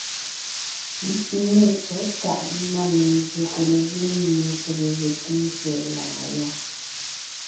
Nê tsɔ̌ tàʼ na mezsyète lezíŋ mie pege ge tʉ́te tsɛ̀ɛ làŋa yɔɔn.